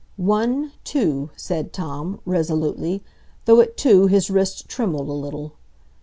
"One—two," said Tom, resolutely, though at "two" his wrist trembled a little.